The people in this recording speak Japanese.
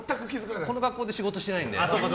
この格好で仕事してないので。